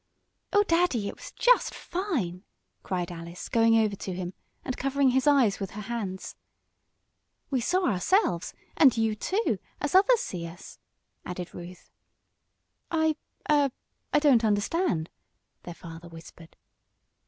"Oh, Daddy! It was just fine!" cried Alice, going over to him, and covering his eyes with her hands. "We saw ourselves and you, too, as others see us!" added Ruth. "I er I don't understand," their father whispered.